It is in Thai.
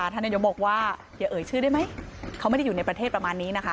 ท่านนายกบอกว่าอย่าเอ่ยชื่อได้ไหมเขาไม่ได้อยู่ในประเทศประมาณนี้นะคะ